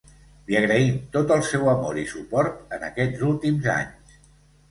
Li agraïm tot el seu amor i suport en aquests últims anys.